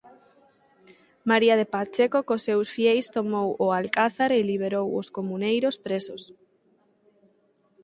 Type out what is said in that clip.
María de Pacheco cos seus fieis tomou o Alcázar e liberou ós comuneiros presos.